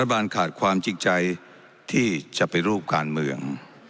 บานขาดความจริงใจที่จะไปรูปการเมือง